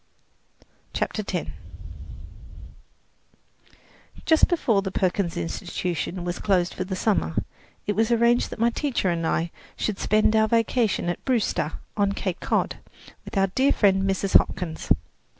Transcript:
CHAPTER X Just before the Perkins Institution closed for the summer, it was arranged that my teacher and I should spend our vacation at Brewster, on Cape Cod, with our dear friend, Mrs. Hopkins.